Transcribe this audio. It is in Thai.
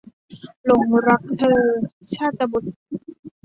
หลงรักเธอ - ชาตบุษย์